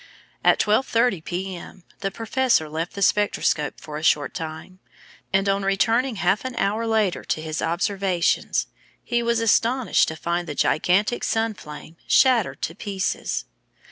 At 12:30 p.m. the Professor left the spectroscope for a short time, and on returning half an hour later to his observations, he was astonished to find the gigantic Sun flame shattered to pieces.